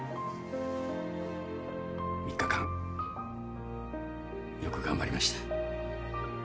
３日間よく頑張りました。